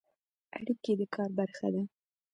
اړیکې د کار برخه ده